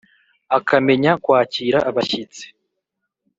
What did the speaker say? akamenya kwakira abashyitsi.”